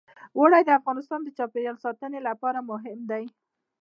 اوړي د افغانستان د چاپیریال ساتنې لپاره مهم دي.